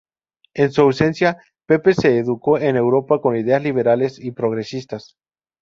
En su ausencia, Pepe se educó en Europa con ideas liberales y progresistas.